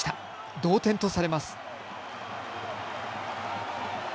同点とされます。